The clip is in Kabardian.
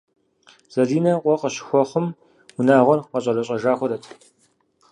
Залинэ къуэ къыщыхуэхъум, унагъуэр къэщӏэрэщӏэжа хуэдэт.